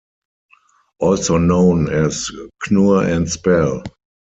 Also known as knurr and spell.